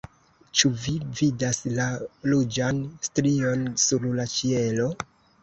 ĉu vi vidas la ruĝan strion sur la ĉielo?